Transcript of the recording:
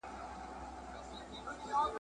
چي لېوه دی که ګیدړ خدای په خبر دی ,